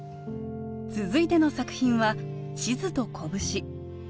続いての作品は「地図と拳」。